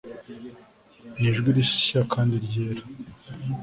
nijwi rishya kandi ryera